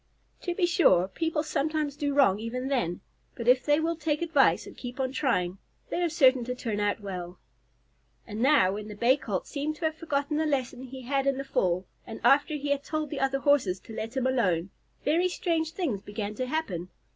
To be sure, people sometimes do wrong even then, but if they will take advice and keep on trying they are certain to turn out well. And now, when the Bay Colt seemed to have forgotten the lesson he had in the fall, and after he had told the other Horses to let him alone, very strange things began to happen.